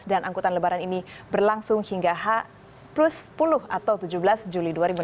dan angkutan lebaran ini berlangsung hingga h plus sepuluh atau tujuh belas juli dua ribu enam belas